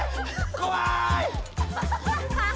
こわい！